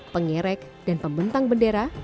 pengerek dan pembentang bendera